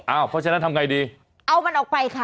เพราะฉะนั้นทำไงดีเอามันออกไปค่ะ